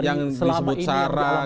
yang disebut sarah kemudian